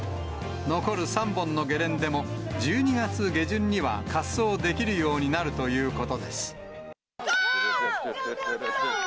残る３本のゲレンデも、１２月下旬には滑走できるようになるということです。